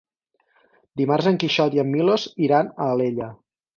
Dimarts en Quixot i en Milos iran a Alella.